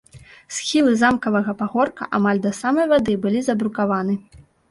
Схілы замкавага пагорка амаль да самай вады былі забрукаваны.